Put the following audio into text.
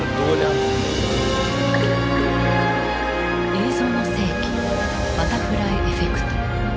「映像の世紀バタフライエフェクト」。